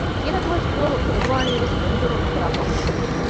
ގިނަ ދުވަސްދުވަހު ތެދުވާނީވެސް މެންދުރުން އަނބުރާ ފަހުން